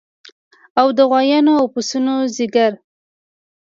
او د غوایانو او پسونو ځیګر